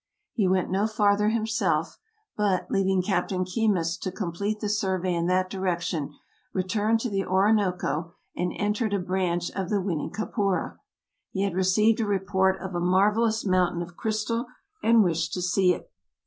He went no farther himself, but, leaving Captain Keymis to complete the survey in that direction, returned to the Ori noco and entered a branch of the Winicapora. He had received a report of a marvelous mountain of crystal and wished to see it.